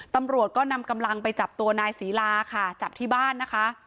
ตำรวจก็นำกำลังไปจับตัวนายศรีลาค่ะจับที่บ้านนะคะ